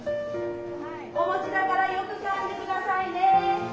お餅だからよくかんで下さいね。